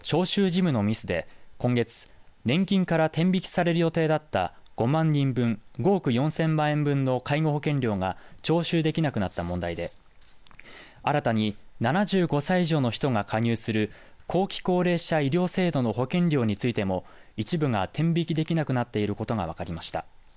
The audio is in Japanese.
事務のミスで今月年金から天引きされる予定だった５万人分、５億４０００万円分の介護保険料が徴収できなくなった問題で新たに７５歳以上の人が加入する後期高齢者医療制度の保険料についても一部が天引きできなくなっていることが分かりました。